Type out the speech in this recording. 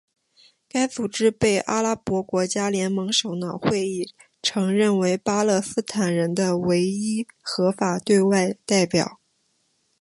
该组织被阿拉伯国家联盟首脑会议承认为巴勒斯坦人的唯一合法对外代表。